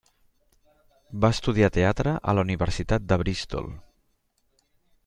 Va estudiar teatre a la Universitat de Bristol.